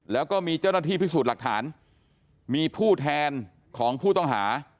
แล้วก็มีเจ้าหน้าที่พิสูจน์หลักฐานมีผู้แทนของผู้ต้องหา